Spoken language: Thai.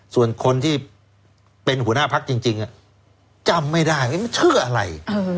ส่วนคนที่เป็นหัวหน้าพักจริงจำไม่ได้มันชื่ออะไร